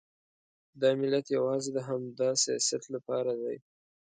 دا ملت یوازې د همدا سیاست لپاره دی.